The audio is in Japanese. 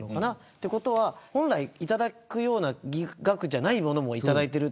ということは本来頂くような額じゃないものも頂いてる。